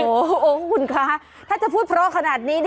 โอ้โหคุณคะถ้าจะพูดเพราะขนาดนี้